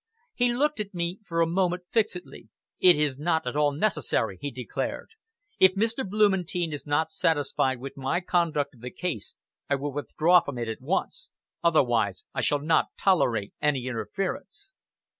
He looked at me for a moment fixedly. "It is not at all necessary!" he declared. "If Mr. Blumentein is not satisfied with my conduct of the case, I will withdraw from it at once! Otherwise, I shall not tolerate any interference!"